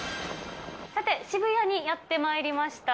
さて、渋谷にやってまいりました。